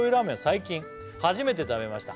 最近初めて食べました」